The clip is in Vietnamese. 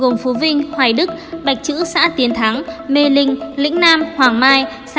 gồm phú vinh hoài đức bạch chữ xã tiến thắng mê linh lĩnh nam hoàng mai sai sơn bức oai